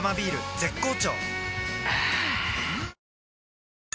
絶好調